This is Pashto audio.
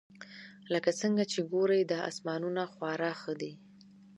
لکه څنګه چې ګورئ دا سامانونه خورا ښه دي